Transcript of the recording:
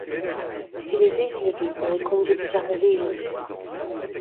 Eleveziek eo pa vez komzet eus ar revelezh.